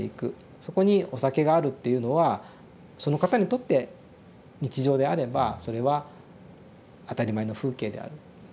そこにお酒があるっていうのはその方にとって日常であればそれは当たり前の風景である。